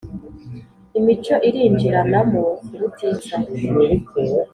imico irinjiranamo ubutitsa